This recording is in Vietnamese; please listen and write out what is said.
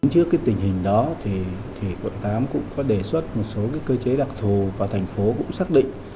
trước cái tình hình đó quận tám cũng có đề xuất một số cơ chế đặc thù và thành phố cũng xác định